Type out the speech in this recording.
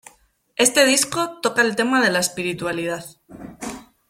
Este disco toca el tema de la espiritualidad.